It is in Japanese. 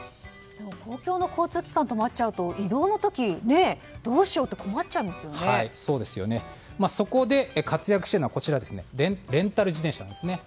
公共の公共機関ともなると移動の時どうしようってそこで活躍しているのがレンタル自転車です。